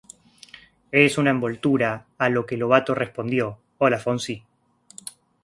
Es una envoltura", a lo que Lovato respondió: "Hola Fonsi".